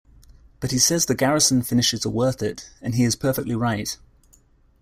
But he says the Garrison finishes are worth it, and he is perfectly right.